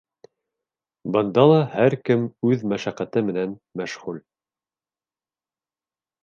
Бында ла һәр кем үҙ мәшәҡәте менән мәшғүл.